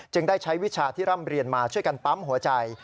ได้ใช้วิชาที่ร่ำเรียนมาช่วยกันปั๊มหัวใจ